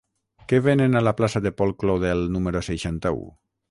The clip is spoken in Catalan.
Què venen a la plaça de Paul Claudel número seixanta-u?